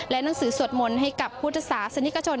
หนังสือสวดมนต์ให้กับพุทธศาสนิกชน